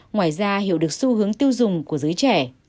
ngoài ra hiểu được xu hướng tiêu dùng của giới trẻ